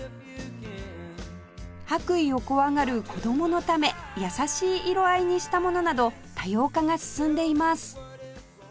白衣を怖がる子供のため優しい色合いにしたものなど多様化が進んでいます